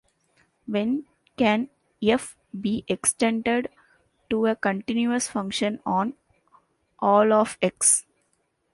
When can "f" be extended to a continuous function on all of "X"?